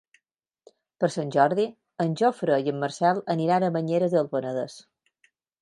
Per Sant Jordi en Jofre i en Marcel aniran a Banyeres del Penedès.